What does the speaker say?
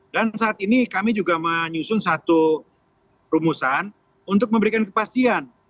dan saat ini kami juga menyusun satu rumusan untuk memberikan kepastian